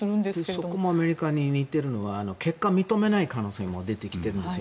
そこもアメリカに似ているのは結果を認めない可能性も出てきてるんです。